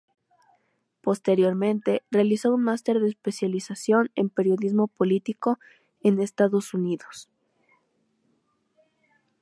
Posteriormente, realizó un máster de especialización en periodismo político en Estados Unidos.